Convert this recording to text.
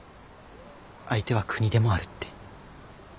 相手は国でもあるって。